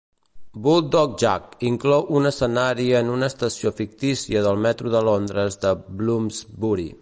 "Bulldog Jack" inclou un escenari en una estació fictícia del metro de Londres de Bloomsbury.